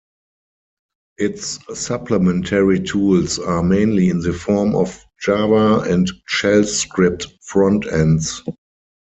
Its supplementary tools are mainly in the form of Java and shell script front-ends.